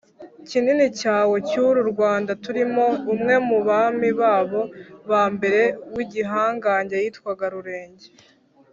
cyinini cyane cy’uru rwanda turimo. umwe mu bami babo ba mbere w’igihangange yitwaga rurenge.